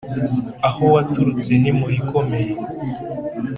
aho waturutse ni mu rikomeye